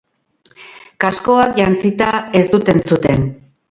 Kaskoak jantzita ez dut entzuten.